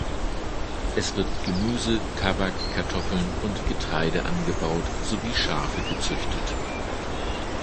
Es wird Gemüse, Tabak, Kartoffeln und Getreide angebaut sowie Schafe gezüchtet.